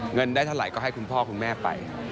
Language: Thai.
เงินได้เท่าไหร่ก็ให้คุณพ่อคุณแม่ไป